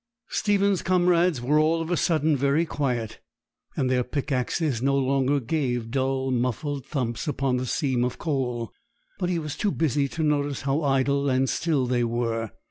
Stephen's comrades were all of a sudden very quiet, and their pickaxes no longer gave dull muffled thumps upon the seam of coal; but he was too busy to notice how idle and still they were.